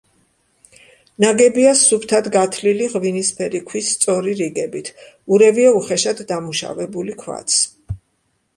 ნაგებია სუფთად გათლილი ღვინისფერი ქვის სწორი რიგებით, ურევია უხეშად დამუშავებული ქვაც.